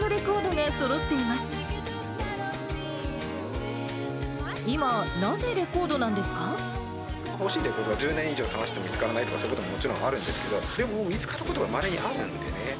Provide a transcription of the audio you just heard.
欲しいレコードを１０年以上探しても見つからないとか、そういうことももちろんあるんですけど、でも、見つかることがまれにあるんでね。